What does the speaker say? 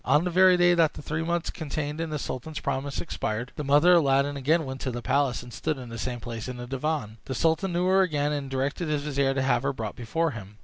On the very day that the three months contained in the sultan's promise expired, the mother of Aladdin again went to the palace, and stood in the same place in the divan. The sultan knew her again, and directed his vizier to have her brought before him.